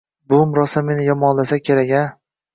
Buving rosa meni yomonlasa kerak-a